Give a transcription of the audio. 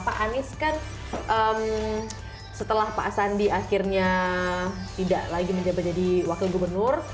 pak anies kan setelah pak sandi akhirnya tidak lagi menjabat jadi wakil gubernur